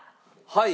はい。